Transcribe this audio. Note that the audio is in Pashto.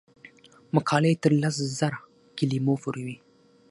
مقالې تر لس زره کلمو پورې وي.